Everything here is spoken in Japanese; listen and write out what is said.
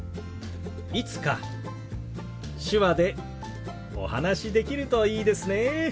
いつか手話でお話しできるといいですね。